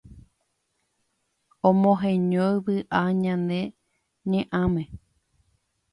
omoheñói vy'a ñane ñe'ãme.